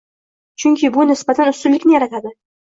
Chunki bu nisbatan ustunlikni yaratadi